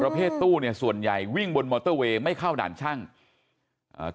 ประเภทตู้เนี่ยส่วนใหญ่วิ่งบนมอเตอร์เวย์ไม่เข้าด่านช่างอ่า